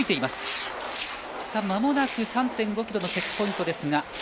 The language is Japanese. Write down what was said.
まもなく３．５ｋｍのチェックポイントです。